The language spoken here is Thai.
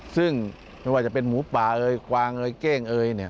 ซึ่งไม่ว่าจะเป็นหมูป่าเอยกวางเอยเก้งเอยเนี่ย